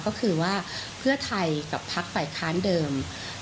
ก็คือว่าเพื่อไทยกับพักฝ่ายค้านเดิม